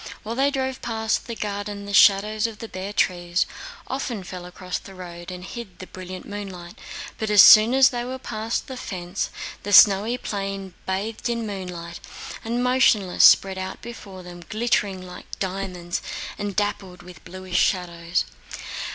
While they drove past the garden the shadows of the bare trees often fell across the road and hid the brilliant moonlight, but as soon as they were past the fence, the snowy plain bathed in moonlight and motionless spread out before them glittering like diamonds and dappled with bluish shadows.